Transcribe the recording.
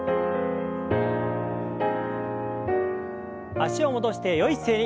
脚を戻してよい姿勢に。